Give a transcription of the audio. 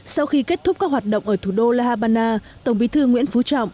sau khi kết thúc các hoạt động ở thủ đô la habana tổng bí thư nguyễn phú trọng